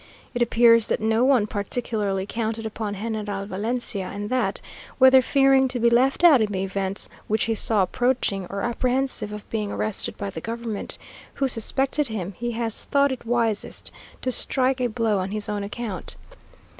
It appears that no one particularly counted upon General Valencia, and that, whether fearing to be left out in the events which he saw approaching, or apprehensive of being arrested by the government, who suspected him, he has thought it wisest to strike a blow on his own account.